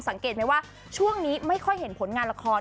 สังเกตไหมว่าช่วงนี้ไม่ค่อยเห็นผลงานละคร